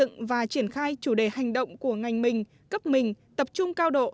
ngay chủ đề hành động của ngành mình cấp mình tập trung cao độ